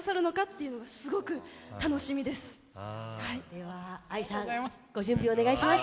ではＡＩさんご準備お願いします。